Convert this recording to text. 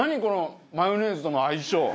この、マヨネーズとの相性。